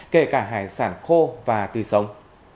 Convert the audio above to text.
kể cả hải sản khô và tươi sống